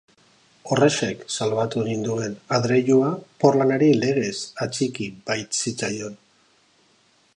Horrexek salbatu ninduen, adreilua porlanari legez atxiki baitzitzaion.